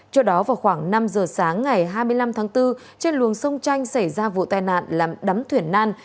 trước đó vào khoảng năm giờ sáng ngày hai mươi năm tháng bốn trên luồng sông chanh xảy ra vụ tai nạn làm đấm thuyền nan